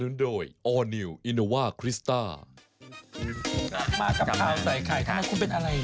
มากกับขาวใส่ไข่คำนะคุณเป็นอะไรเหรอ